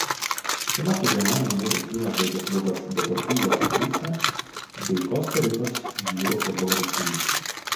Šiame stadione namų rungtynes žaidžia klubas „Deportivo Saprissa“ bei Kosta Rikos vyrų futbolo rinktinė.